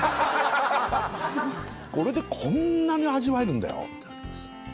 これでこんなに味わえるんだよ